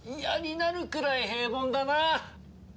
嫌になるくらい平凡だな。